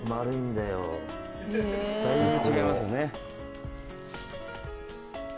だいぶ違いますよね。